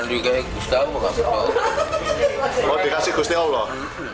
oh dikasih gusti allah